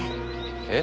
えっ？